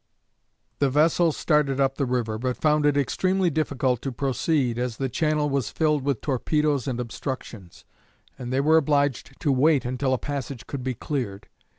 _" The vessel started up the river, but found it extremely difficult to proceed, as the channel was filled with torpedoes and obstructions, and they were obliged to wait until a passage could be cleared.